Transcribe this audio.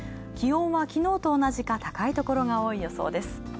気温はきのうと同じか高いところが多い予想です。